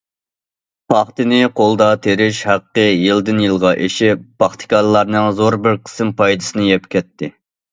پاختىنى قولدا تېرىش ھەققى يىلدىن- يىلغا ئېشىپ، پاختىكارلارنىڭ زور بىر قىسىم پايدىسىنى يەپ كەتتى.